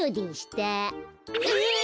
えっ！